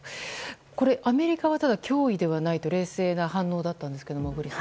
アメリカは脅威ではないと冷静な反応だったんですが。